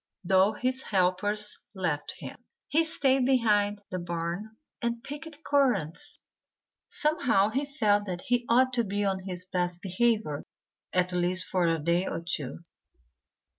Though his helpers left him, he stayed behind the barn and picked currants. Somehow he felt that he ought to be on his best behavior at least for a day or two.